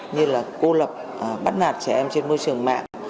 như là cô lập bắt nạt trẻ em trên môi trường mạng